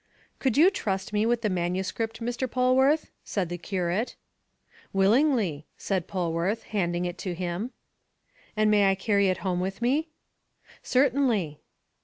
"Could you trust me with the manuscript, Mr. Polwarth?" said the curate. "Willingly," said Polwarth, handing it to him. "And I may carry it home with me?" "Certainly."